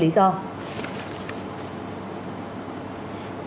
bộ ngoại giao nga